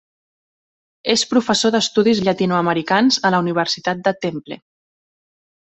És professor d'estudis llatinoamericans a la Universitat de Temple.